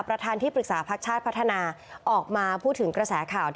ประธานที่ปรึกษาพักชาติพัฒนาออกมาพูดถึงกระแสข่าว